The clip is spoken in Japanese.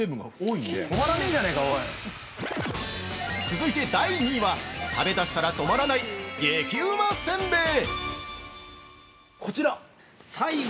◆続いて第２位は、食べ出したら止まらない激ウマせんべい。